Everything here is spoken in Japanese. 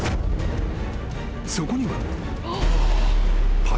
［そこには］